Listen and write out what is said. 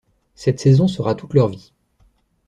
Cette saison sera toute leur vie.